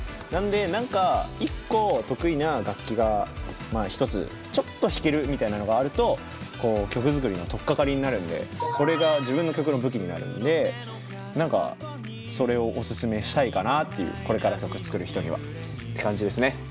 なんで何か１個得意な楽器が１つちょっと弾けるみたいなのがあると曲作りの取っかかりになるんでそれが自分の曲の武器になるんで何かそれをおすすめしたいかなっていうこれから曲作る人にはって感じですね。